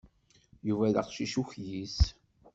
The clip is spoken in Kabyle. Yuba d aqcic ukyis.